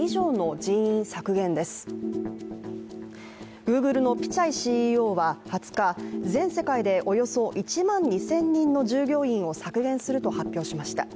ＧｏｏｇｌｅのピチャイＣＥＯは２０日、全世界でおよそ１万２０００人の従業員を削減すると発表しました。